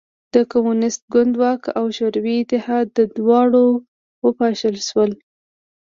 د کمونېست ګوند واک او شوروي اتحاد دواړه وپاشل شول